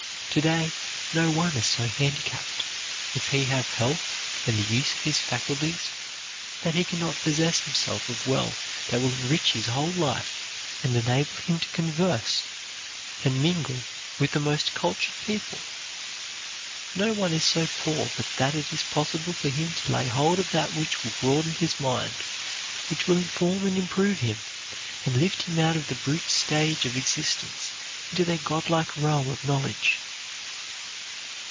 To day no one is so handicapped, if he have health and the use of his faculties, that he can not possess himself of wealth that will enrich his whole life, and enable him to converse and mingle with the most cultured people. No one is so poor but that it is possible for him to lay hold of that which will broaden his mind, which will inform and improve him, and lift him out of the brute stage of existence into their god like realm of knowledge.